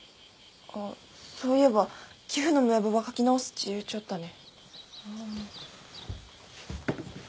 あっそういえば寄付の名簿ば書き直すっち言うちょったね。